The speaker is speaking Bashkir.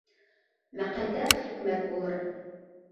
Мәҡәлдә хикмәт булыр.